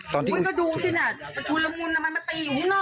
โดนเขาบอกว่า